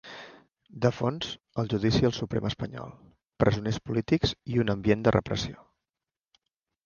De fons, el judici al Suprem espanyol, presoners polítics i un ambient de repressió.